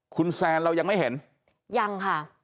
คุณแซนเรายังไม่เห็นยังค่ะ